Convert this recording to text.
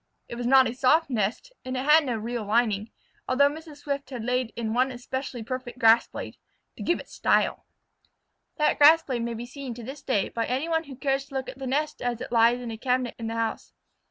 It was not a soft nest, and it had no real lining, although Mrs. Swift had laid in one especially perfect grass blade "to give it style." That grass blade may be seen to this day by any one who cares to look at the nest as it lies in a cabinet in the house.